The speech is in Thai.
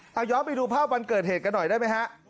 เอาย้อนไปดูภาพวันเกิดเหตุกันหน่อยได้ไหมฮะ